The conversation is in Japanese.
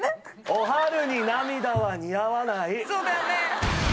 おはるに涙は似合わない。